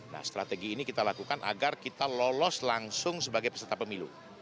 nah strategi ini kita lakukan agar kita lolos langsung sebagai peserta pemilu